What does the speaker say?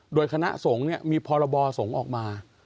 โดยคณะสงฆ์มีพรบสงฆ์ออกมา